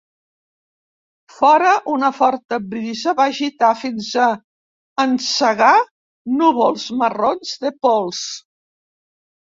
Fora, una forta brisa va agitar fins a encegar núvols marrons de pols.